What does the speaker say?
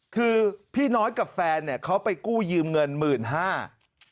คือพี่น้อยกับแฟนเนี่ยเขาไปกู้ยืมเงินหมื่นห้า